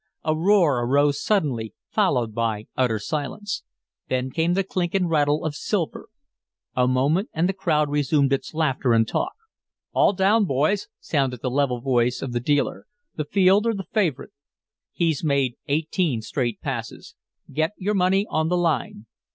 A roar arose suddenly, followed by utter silence; then came the clink and rattle of silver. A moment, and the crowd resumed its laughter and talk. "All down, boys," sounded the level voice of the dealer. "The field or the favorite. He's made eighteen straight passes. Get your money on the line."